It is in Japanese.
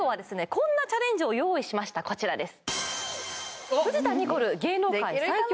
こんなチャレンジを用意しましたこちらです